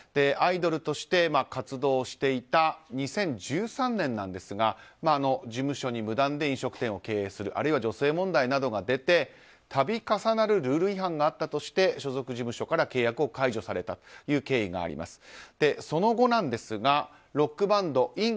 アイドルとして活動していた２０１３年なんですが事務所に無断で飲食店を経営するあるいは女性問題などが出て度重なるルール違反があったとして所属事務所から契約を解除されたという経緯があります。